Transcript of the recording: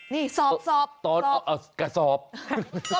นี่สอบสอบสอบสอบสอบสอบสอบสอบ